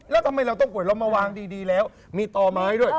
แล้วทำไมเราต้องป่วยล้มมาวางดีแล้วมีต่อไม้ด้วย